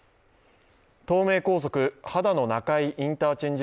東名高速秦野中井インターチェンジ